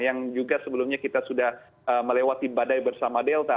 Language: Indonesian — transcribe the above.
yang juga sebelumnya kita sudah melewati badai bersama delta